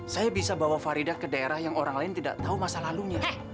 saya bisa bawa farida ke daerah yang orang lain tidak tahu masa lalunya